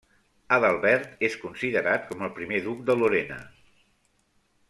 Adalbert és considerat com el primer duc de Lorena.